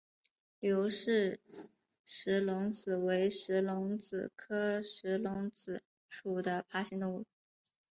刘氏石龙子为石龙子科石龙子属的爬行动物。